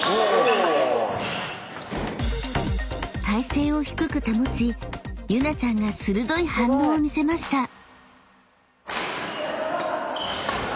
［体勢を低く保ちユナちゃんが鋭い反応を見せました］